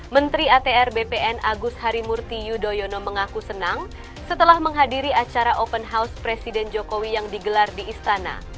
menteri atr bpn agus harimurti yudhoyono mengaku senang setelah menghadiri acara open house presiden jokowi yang digelar di istana